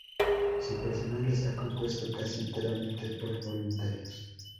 Su personal está compuesto casi enteramente por voluntarios.